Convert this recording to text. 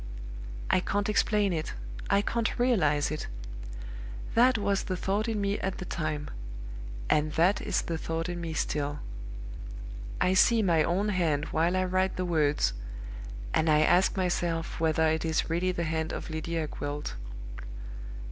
I can't explain it I can't realize it. That was the thought in me at the time; and that is the thought in me still. I see my own hand while I write the words and I ask myself whether it is really the hand of Lydia Gwilt!